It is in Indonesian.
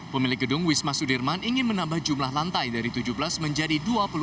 pemilik gedung wisma sudirman ingin menambah jumlah lantai dari tujuh belas menjadi dua puluh